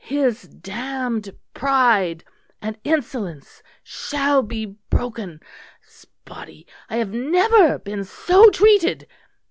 His damned pride and insolence shall be broken. S' Body, I have never been so treated!